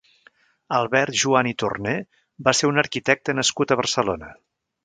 Albert Juan i Torner va ser un arquitecte nascut a Barcelona.